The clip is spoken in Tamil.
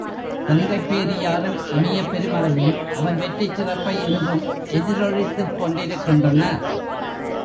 கங்கைப் பேரியாறும் இமயப் பெருமலையும் அவன் வெற்றிச் சிறப்பை இன்றும் எதிரொலித்துக் கொண்டிருக்கின்றன.